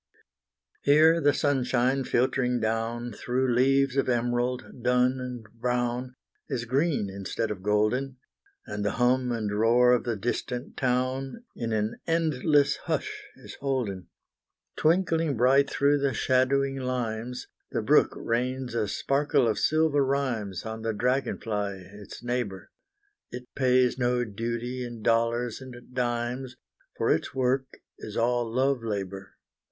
Here the sunshine, filtering down, Through leaves of emerald, dun and brown, Is green instead of golden And the hum and roar of the distant town In an endless hush is holden. Twinkling bright through the shadowing limes. The brook rains a sparkle of silver rhymes On the dragon fly, its neighbour; It pays no duty in dollars and dimes, For its work is all love labour.